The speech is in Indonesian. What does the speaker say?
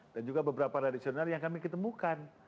dan juga beberapa radisional yang kami ketemukan